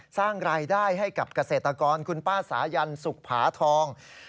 สร้างรายได้ให้กับเกษตรกรคุณป้าสายันสุขผาทอง